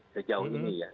sejauh ini ya